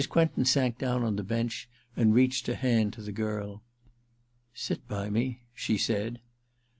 Quentin sank down on the bench and reached a hand to the girl. * Sit by me,' she said.